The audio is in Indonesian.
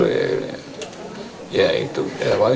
ya antara tujuh atau sepuluh